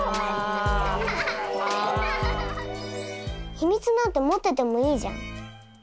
秘密なんて持っててもいいじゃん。